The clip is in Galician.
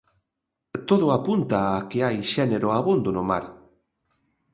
Todo apunta a que hai xénero abondo no mar.